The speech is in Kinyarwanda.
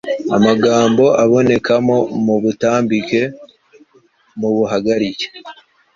Amagambo abonekamo mu butambike, mu buhagarike